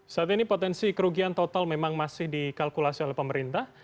saat ini potensi kerugian total memang masih dikalkulasi oleh pemerintah